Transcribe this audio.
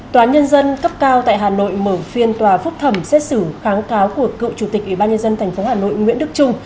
tòa nhân dân cấp cao tại hà nội mở phiên tòa phúc thẩm xét xử kháng cáo của cựu chủ tịch ủy ban nhân dân tp hà nội nguyễn đức trung